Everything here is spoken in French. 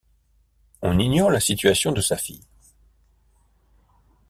On ignore la situation de sa fille.